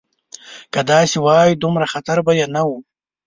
که داسې وای دومره خطر به یې نه و.